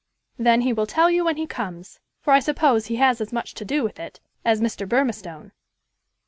"Then, he will tell you when he comes; for I suppose he has as much to do with it as Mr. Burmistone."